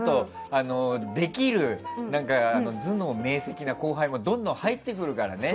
できる頭脳明晰な後輩もどんどん入ってくるからね。